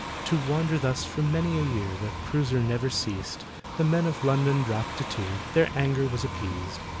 To wander thus for many a year That Crusher never ceased— The Men of London dropped a tear, Their anger was appeased.